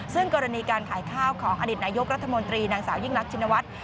ซึ่งกรณีการขายข้าวของอดีตนายกรัฐมนตรีนางสาวยิ่งรักชินวัฒน์